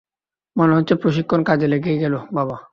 মনে হচ্ছে প্রশিক্ষণ কাজে লেগেই গেল, বাবা।